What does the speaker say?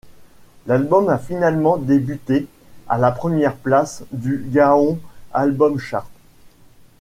L'album a finalement débuté à la première place du Gaon Album Chart.